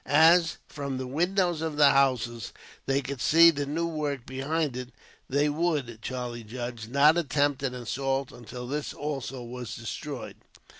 As, from the windows of the houses, they could see the new work behind it; they would, Charlie judged, not attempt an assault, until this also was destroyed.